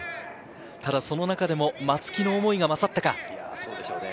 ただ、その中でも松木の思いが勝ったか。